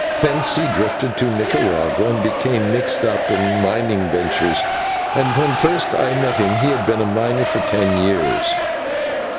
Thence he drifted to Nicaragua, and became mixed up in mining ventures, and when I first met him he had been a miner for ten years.